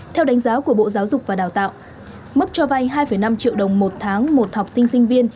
theo đánh giá của bộ giáo dục và đào tạo mức cho vay hai năm triệu đồng một tháng một học sinh sinh viên